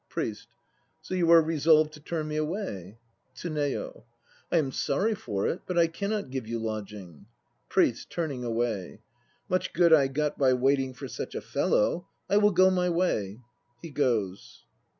PRIEST. So you are resolved to turn me away? TSUNEYO. I am sorry for it, but I cannot give you lodging. PRIEST (turning away). Much good I got by waiting for such a fellow! I will go my way. (He goes.)